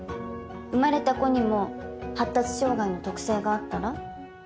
生まれた子にも発達障害の特性があったら？